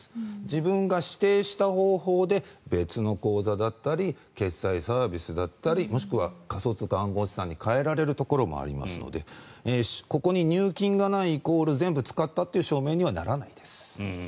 自分が指定した方法で別の口座だったり決済サービスだったりもしくは仮想通貨、暗号資産に換えられるところもありますのでここに入金がない、イコール全部使ったという証明にはならないです。